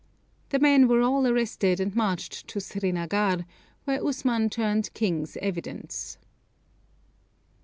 The men were all arrested and marched to Srinagar, where Usman turned 'king's evidence.'